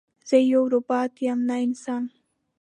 زه یو روباټ یم نه انسان